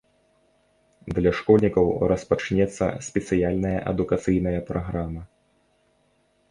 Для школьнікаў распачнецца спецыяльная адукацыйная праграма.